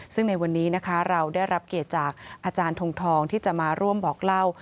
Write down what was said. ซึ่งในวันนี้นะคะเราได้รับเกียรติจากอาจารย์ทงทองที่จะมาร่วมบอกเล่า